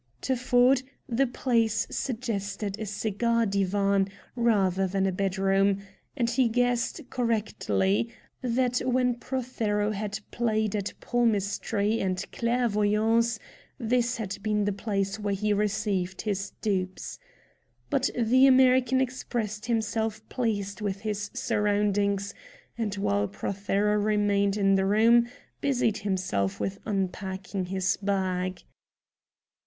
To Ford the place suggested a cigar divan rather than a bedroom, and he guessed, correctly, that when Prothero had played at palmistry and clairvoyance this had been the place where he received his dupes. But the American expressed himself pleased with his surroundings, and while Prothero remained in the room, busied himself with unpacking his bag.